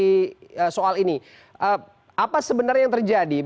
dari soal ini apa sebenarnya yang terjadi